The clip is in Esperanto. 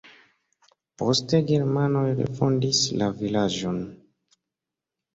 Poste germanoj refondis la vilaĝon.